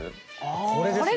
これですもんね。